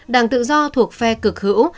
đảng tự do thuộc phe cực hữu